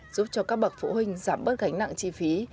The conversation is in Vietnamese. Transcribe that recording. giúp cho các bậc phụ huynh giảm bớt gánh nặng chi phí